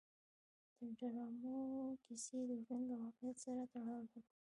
د ډرامو کیسې د ژوند له واقعیت سره تړاو لري.